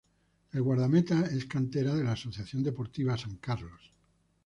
El guardameta es cantera de la Asociación Deportiva San Carlos.